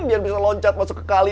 biar bisa loncat masuk ke kali